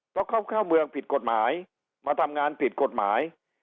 เพราะเขาเข้าเมืองผิดกฎหมายมาทำงานผิดกฎหมาย